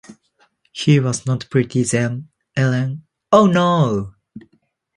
He was not pretty then, Ellen: oh, no!